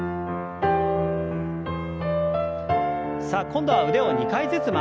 さあ今度は腕を２回ずつ回します。